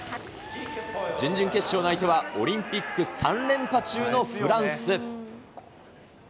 準々決勝の相手は、オリンピック３連覇中のフランス。